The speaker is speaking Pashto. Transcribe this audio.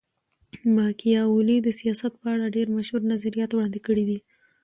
ماکیاولي د سیاست په اړه ډېر مشهور نظریات وړاندي کړي دي.